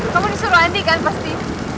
kamu disuruh andi kan pasti